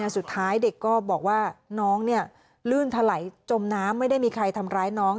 สุดท้ายเด็กก็บอกว่าน้องลื่นถลายจมน้ำไม่ได้มีใครทำร้ายน้อง